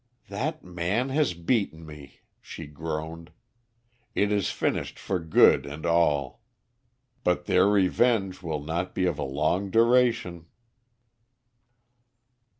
"That man has beaten me," she groaned. "It is finished for good and all. But their revenge will not be of long duration."